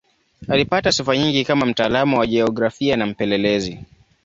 Alipata sifa nyingi kama mtaalamu wa jiografia na mpelelezi.